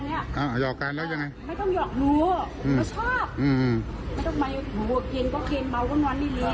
ไม่ต้องหยอกดูไม่น้องชอบไม่ต้องมาอยู่หัวเครนก็เครนเบาะก็นอนเรียบ